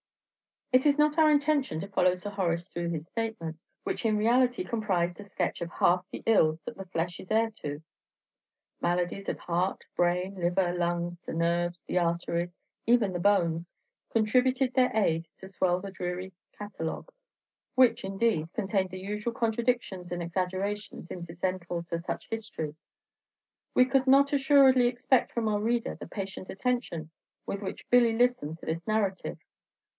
It is not our intention to follow Sir Horace through his statement, which in reality comprised a sketch of half the ills that the flesh is heir to. Maladies of heart, brain, liver, lungs, the nerves, the arteries, even the bones, contributed their aid to swell the dreary catalogue, which, indeed, contained the usual contradictions and exaggerations incidental to such histories. We could not assuredly expect from our reader the patient attention with which Billy listened to this narrative.